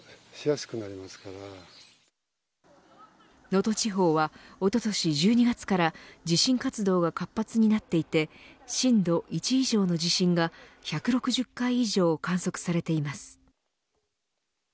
能登地方はおととし１２月から地震活動が活発になっていて震度１以上の地震が１６０回以上観測されています。